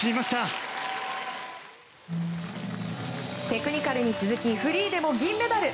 テクニカルに続きフリーでも銀メダル。